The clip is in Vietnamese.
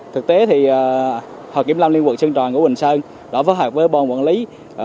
thực tế thì hồ kiếm lâm liên quận sơn tròi của quỳnh sơn đã phối hợp với bọn quản lý